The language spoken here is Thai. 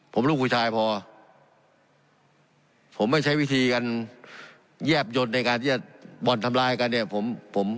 ผมลูกผู้ชายพอผมไม่ใช้วิธีการแยบยนต์ในการที่จะบ่อนทำลายกันเนี่ย